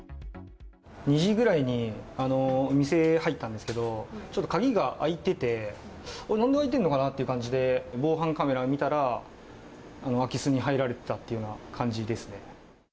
２時ぐらいに店入ったんですけど、ちょっと鍵が開いてて、なんで開いてんのかなっていう感じで、防犯カメラ見たら、空き巣に入られてたっていうような感じですね。